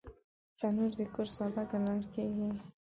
تنور د کور ساه ګڼل کېږي